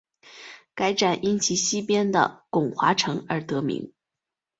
该站因其西边的巩华城而得名。